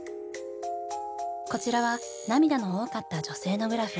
こちらは涙の多かった女性のグラフ。